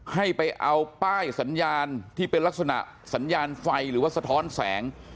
ให้ไปเอาป้ายสัญญาณที่เป็นลักษณะสัญญาณไฟหรือว่าสะท้อนแสง